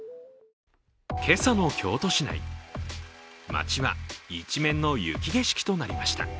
今朝の京都市内、街は一面の雪景色となりました。